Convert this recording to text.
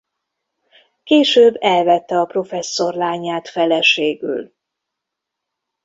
Később elvette a professzor lányát feleségül.